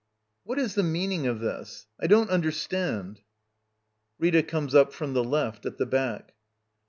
] What is the meaning of this? I don't under stand — [Rita comes up from the left, at the back.